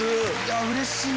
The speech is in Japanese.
うれしいな！